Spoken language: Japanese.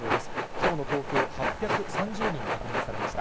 きょうの東京、８３０人確認されました。